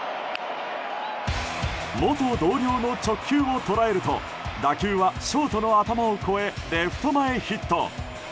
元同僚の直球を捉えると打球はショートの頭を越えレフト前ヒット。